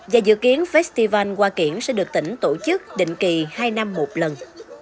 và dự kiến festival hoa kiển sẽ được tỉnh tổ chức định kỳ hai năm một lần